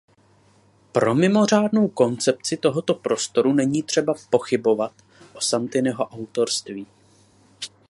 Pro mimořádnou koncepci tohoto prostoru není třeba pochybovat o Santiniho autorství.